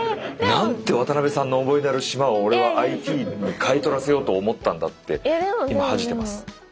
なんて渡邊さんの思い出ある島を俺はＩＴに買い取らせようと思ったんだって今恥じてます。